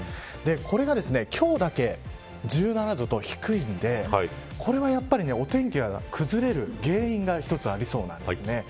これが今日だけ１７度と低いのでこれは、お天気が崩れる原因が１つありそうなんですね。